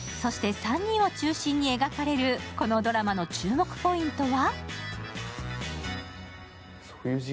３人を中心に描かれるこのドラマの注目ポイントは？